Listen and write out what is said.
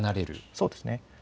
そうですね。